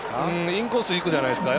インコースいくじゃないですか。